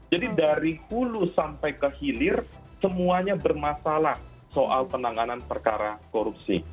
jadi dari hulu sampai ke hilir semuanya bermasalah soal penanganan perkara korupsi